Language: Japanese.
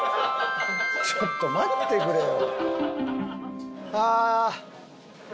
ちょっと待ってくれよ。